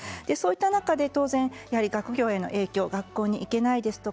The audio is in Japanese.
そういう中で、当然学業への影響、学校に行けない。